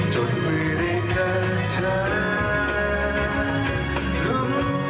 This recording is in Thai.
จนไม่ได้เจอเธอ